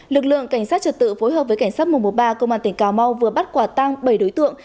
lực lượng cảnh sát trật tự phối hợp với cảnh sát một trăm một mươi ba công an tỉnh cà mau vừa bắt quả tăng bảy đối tượng